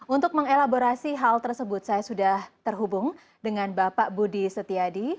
untuk mengelaborasi hal tersebut saya sudah terhubung dengan bapak budi setiadi